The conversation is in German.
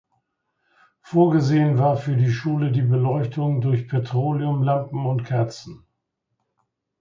Vorgesehen war für die Schule die Beleuchtung durch Petroleumlampen und Kerzen.